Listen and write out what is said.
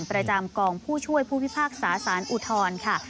ประจำกองผู้ช่วยผู้พิพากษาสารอุทธรณ์ค่ะ